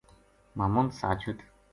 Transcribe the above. محمد ساجد